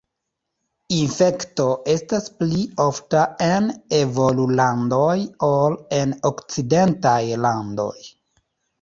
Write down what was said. Infekto estas pli ofta en evolulandoj ol en okcidentaj landoj.